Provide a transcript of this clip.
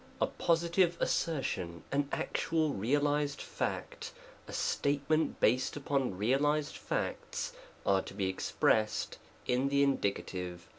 A positive assertion, an actual realized fact, a statement based upon realized facts, are to be expressed in the Indie.